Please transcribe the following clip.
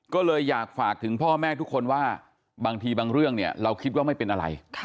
ก็เลยอยากฝากถึงพ่อแม่ทุกคนว่าบางทีบางเรื่องเนี่ยเราคิดว่าไม่เป็นอะไร